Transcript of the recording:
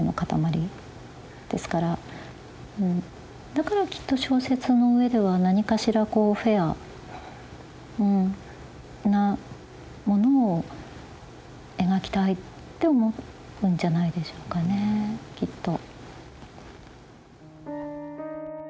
だからきっと小説の上では何かしらこうフェアなものを描きたいって思うんじゃないでしょうかねきっと。